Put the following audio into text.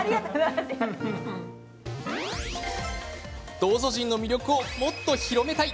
道祖神の魅力をもっと広めたい。